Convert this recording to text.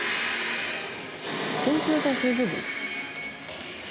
コンピューター制御部？